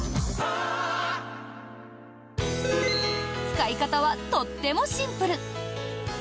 使い方はとってもシンプル！